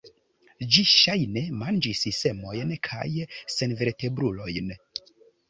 Ĝi ŝajne manĝis semojn kaj senvertebrulojn.